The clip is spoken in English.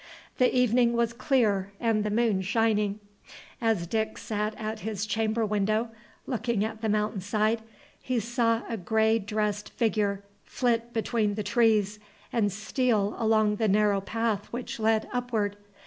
The evening was clear and the moon shining. As Dick sat at his chamber window, looking at the mountain side, he saw a gray dressed figure flit between the trees and steal along the narrow path which led upward.